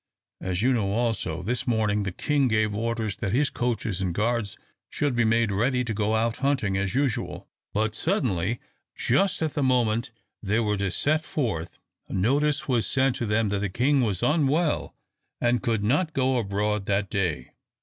As you know, also, this morning the king gave orders that his coaches and guards should be made ready to go out hunting as usual, but suddenly, just at the moment they were to set forth, notice was sent to them that the king was unwell, and could not go abroad that day.